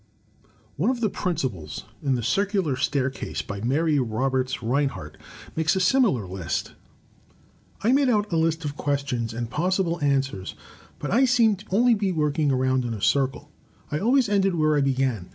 One of the principals in "The Circular Staircase/' by Mary Roberts Rinehart, makes a similar list: I made out a list of questions and possible answers, but I seemed only to be working around in a circle. I always ended where I began.